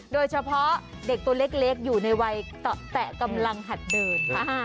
โดยเฉพาะเด็กตัวเล็กอยู่ในวัยแตะกำลังหัดเดินค่ะ